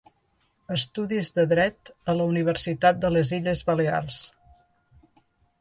Estudis de dret a la Universitat de les Illes Balears.